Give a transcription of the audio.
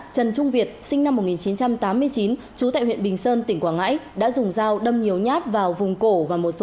trần trung việt sinh năm hai nghìn một mươi ba